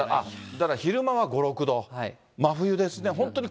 だから昼間は５、６度、真冬ですね、本当に。